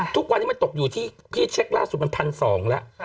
ทุกวันนี้มันตกอยู่ที่พี่เช็คล่าสุดมัน๑๒๐๐แล้ว